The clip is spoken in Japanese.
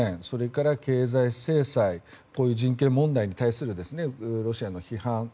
それから、経済制裁人権問題に対するロシアの批判。